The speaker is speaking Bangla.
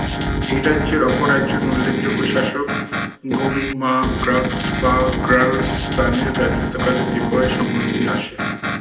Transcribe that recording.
এই রাজ্যের অপর একজন উল্লেখযোগ্য শাসক গোং-মা-গ্রাগ্স-পা-র্গ্যাল-ম্ত্শানের রাজত্বকালে তিব্বতে সমৃদ্ধি আসে।